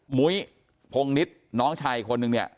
มุ้ยพงนิดน้องชายอีกคนนึงเนี่ย